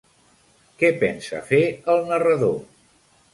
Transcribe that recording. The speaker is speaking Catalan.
Què pensa fer el narrador?